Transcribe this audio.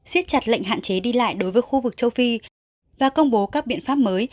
xiết chặt lệnh hạn chế đi lại đối với khu vực châu phi và công bố các biện pháp mới